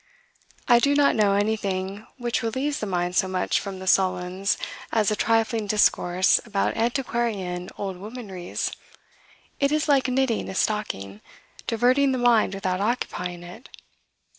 "I do not know anything which relieves the mind so much from the sullens as a trifling discourse about antiquarian oldwomanries. It is like knitting a stocking, diverting the mind without occupying it."